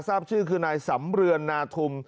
ทราบชื่อคือนายสำเรือนนาธุม